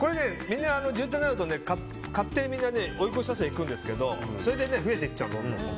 渋滞になると、勝手にみんな追い越し車線に行くんですけどそれで増えていっちゃうの。